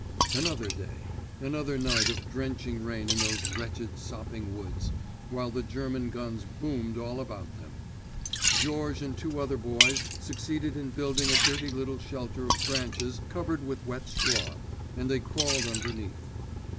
Another day; another night of drenching rain in those wretched sopping woods, while the German guns boomed all about them. Georges and two other boys succeeded in building a dirty little shelter of branches covered with wet straw, and they crawled underneath.